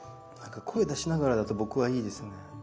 なんか声出しながらだと僕はいいですね。